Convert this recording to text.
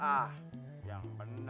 ah yang bener ente